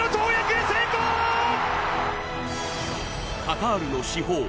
カタールの至宝